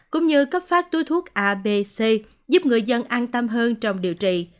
cũng như cấp phát túi thuốc abc giúp người dân an tâm hơn trong điều trị